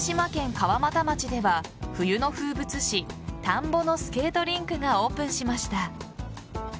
川俣町では冬の風物詩田んぼのスケートリンクがオープンしました。